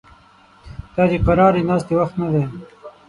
دا د قرارې ناستې وخت نه دی